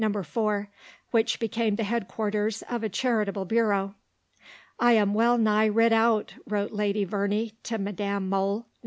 4), which became the headquarters of a charitable bureau. "I am well nigh writ out," wrote Lady Verney to Madame Mohl (Nov.